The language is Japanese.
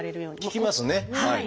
聞きますねはい。